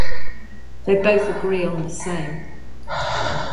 They both agree on the same.